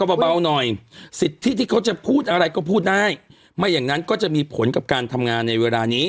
เพียงนานก็จะมีผลกับการทำงานในเวลานี้